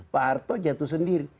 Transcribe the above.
pak harto jatuh sendiri